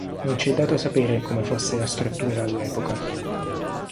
Non ci è dato sapere come fosse la struttura all'epoca.